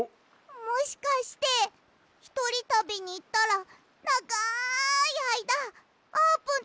もしかしてひとりたびにいったらながいあいだあーぷんとあそべなくなるの？